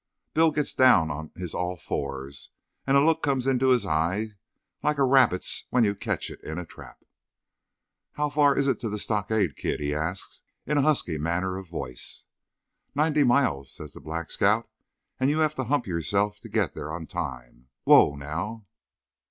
Bill gets down on his all fours, and a look comes in his eye like a rabbit's when you catch it in a trap. "How far is it to the stockade, kid?" he asks, in a husky manner of voice. "Ninety miles," says the Black Scout. "And you have to hump yourself to get there on time. Whoa, now!"